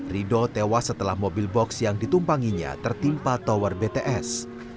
rido tewas setelah mobil box yang ditumpanginya tertimpa tower bts